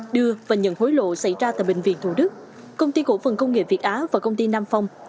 đưa và nhận hối lộ xảy ra tại bệnh viện thủ đức công ty cổ phần công nghệ việt á và công ty nam phong